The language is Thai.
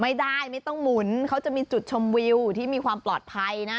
ไม่ต้องหมุนเขาจะมีจุดชมวิวที่มีความปลอดภัยนะ